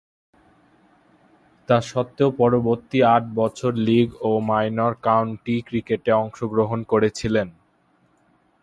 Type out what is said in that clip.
তাসত্ত্বেও পরবর্তী আট বছর লীগ ও মাইনর কাউন্টি ক্রিকেটে অংশগ্রহণ করেছিলেন।